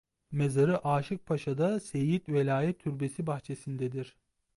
Mezarı Aşıkpaşa'da Seyyid Velayet Türbesi bahçesindedir.